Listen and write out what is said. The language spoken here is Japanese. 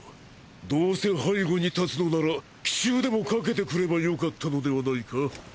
どうせ背後に立つのなら奇襲でもかけてくればよかったのではないか？